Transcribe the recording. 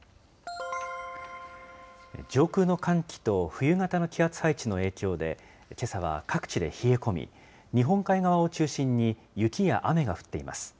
上空の寒気と冬型の気圧配置の影響で、けさは各地で冷え込み、日本海側を中心に、雪や雨が降っています。